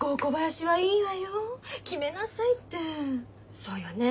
そうよね